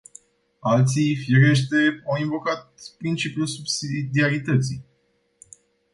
Alții, firește, au invocat principiul subsidiarității.